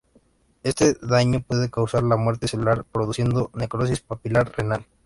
Este daño puede causar la muerte celular produciendo necrosis papilar renal.